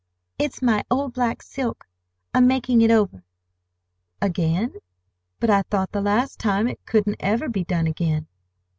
"It's my old black silk. I'm making it over." "Again? But I thought the last time it couldn't ever be done again."